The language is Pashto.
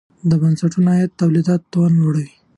د بنسټونو عاید د تولید توان لوړوي.